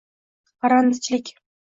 - parrandachilik.